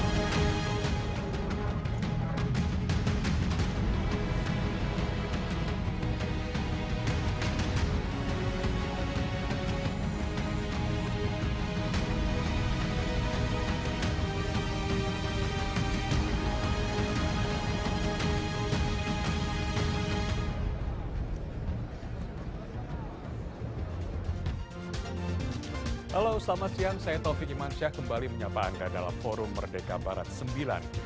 hal iniitous lainnya tvn lagi alirkan